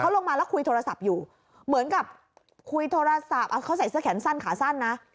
ลงมาแล้วคุยโทรศัพท์อยู่เหมือนกับคุยโทรศัพท์เขาใส่เสื้อแขนสั้นขาสั้นนะ